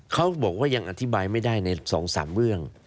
เขาบอกว่ายังอธิบายไม่ได้ใน๒๓เรื่อง